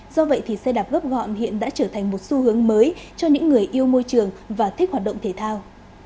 do vậy thì xe đạp gấp gọn hiện đã trở thành một xu hướng mới cho những người yêu môi trường và thích hoạt động thể thao